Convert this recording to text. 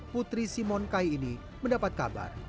putri simon kai ini mendapat kabar